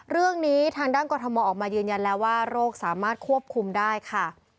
เรื่องนี้ทางด้านกรทมออกมายืนยันแล้วว่าโรคสามารถควบคุมได้ค่ะ